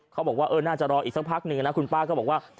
เขาบอกว่าน่าจะรออีกสักพักหนึ่งนะคุณป้าก็บอกว่า